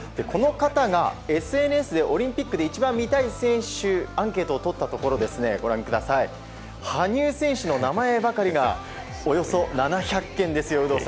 この方がＳＮＳでオリンピックで一番見たい選手のアンケートを取ったところ羽生選手の名前ばかりがおよそ７００件ですよ。